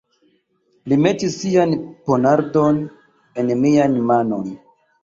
Li metis sian ponardon en mian manon.